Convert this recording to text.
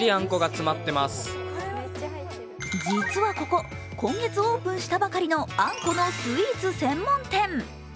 実はここ、今月オープンしたばかりのあんこのスイーツ専門店。